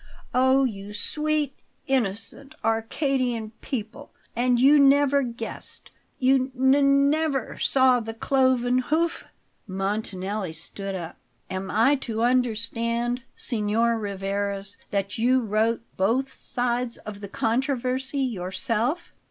Oh, you, sweet, innocent, Arcadian people and you never guessed! You n never saw the cloven hoof?" Montanelli stood up. "Am I to understand, Signor Rivarez, that you wrote both sides of the controversy yourself?"